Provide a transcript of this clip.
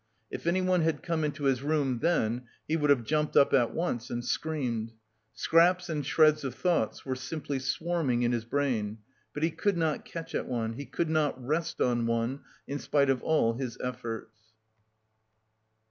If anyone had come into his room then, he would have jumped up at once and screamed. Scraps and shreds of thoughts were simply swarming in his brain, but he could not catch at one, he could not rest on one, in spite of all his efforts....